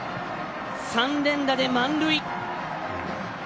３連打で満塁。